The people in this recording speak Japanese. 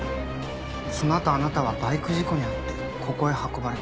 そのあとあなたはバイク事故に遭ってここへ運ばれた。